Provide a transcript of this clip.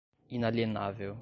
inalienável